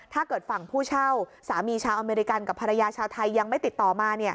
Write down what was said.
ฝั่งผู้เช่าสามีชาวอเมริกันกับภรรยาชาวไทยยังไม่ติดต่อมา